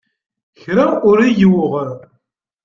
Kra ur i-yuɣ.